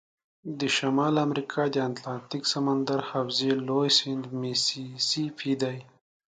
د شمال امریکا د اتلانتیک سمندر حوزې لوی سیند میسی سی پي دی.